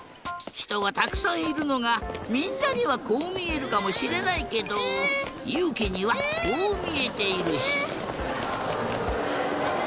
ひとがたくさんいるのがみんなにはこうみえるかもしれないけどゆうきにはこうみえているし。